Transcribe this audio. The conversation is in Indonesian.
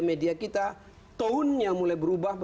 jadi kita mungkin nyuarakan proses